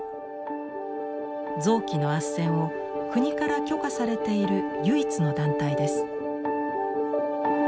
臓器のあっせんを国から許可されている唯一の団体です。